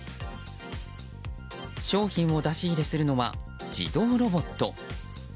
商品を出し入れするのは自動ロボット。